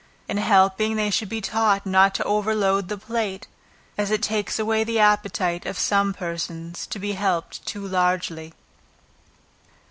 In helping, they should be taught not to over load the plate, as it takes away the appetite of some persons to be helped too largely.